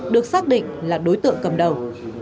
được xác định là đối tượng cầm đầu